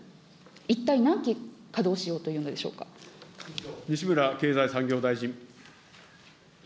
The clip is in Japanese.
一体何基稼働しようというのでし西村経済産業大臣。